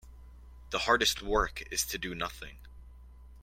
The hardest work is to do nothing.